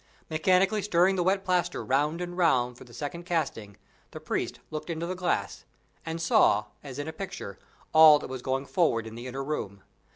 Mechanically stirring the wet plaster round and round for the second casting, the priest looked into the glass, and saw, as in a picture, all that was going forward in the inner room.